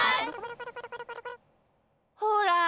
ほら